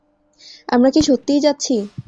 আমরা কি সত্যিই যাচ্ছি?